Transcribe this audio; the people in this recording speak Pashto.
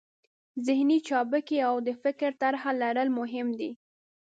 ذهني چابکي او د فکر طرحه لرل مهم دي.